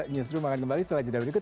newsroom akan kembali setelah jeda berikut